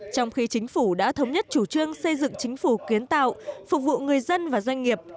trong khi chính phủ đã thống nhất chủ trương xây dựng chính phủ kiến tạo phục vụ người dân và doanh nghiệp